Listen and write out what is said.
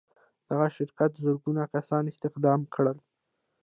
دغه شرکت زرګونه کسان استخدام کړل.